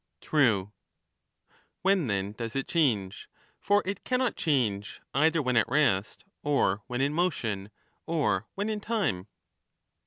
True. When then does it change ; for it cannot change either when at rest, or when in motion, or when in time